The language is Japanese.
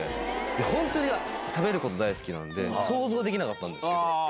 本当に食べること大好きなんで想像ができなかったんです。